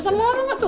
sama mama gak tuh